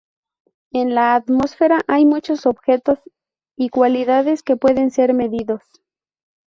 En la atmósfera, hay muchos objetos o cualidades que pueden ser medidos.